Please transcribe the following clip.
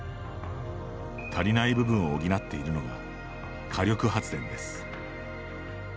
足りない部分を補っているのが火力発電です。